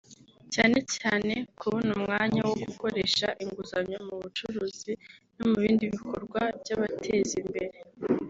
cyane cyane kubona umwanya wo gukoresha inguzanyo mu bucuruzi no mu bindi bikorwa byabateza imbere